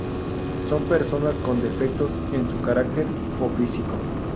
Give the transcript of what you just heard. Son personas con defectos en su carácter o físico.